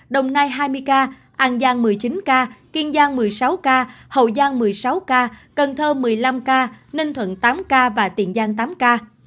đồng nai hai mươi ca an giang một mươi chín ca kiên giang một mươi sáu ca hậu giang một mươi sáu ca cần thơ một mươi năm ca ninh thuận tám ca và tiền giang tám ca